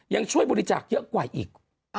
ยังช่วยบริจาคเยอะกว่าอีก